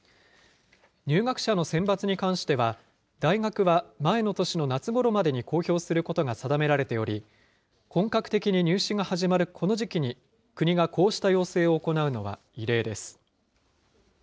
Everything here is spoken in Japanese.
入学者の選抜に関しては、大学は前の年の夏ごろまでに公表することが定められており、本格的に入試が始まるこの時期に、国がこうした要請を行うのは異例です。